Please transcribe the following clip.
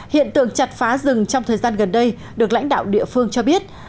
hiện tượng chặt phá rừng trong thời gian gần đây được lãnh đạo địa phương cho biết